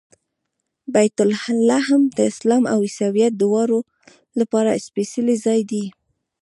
بیت لحم د اسلام او عیسویت دواړو لپاره سپېڅلی ځای دی.